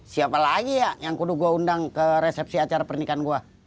siapa lagi ya yang kudu gua undang ke resepsi acara pernikahan gua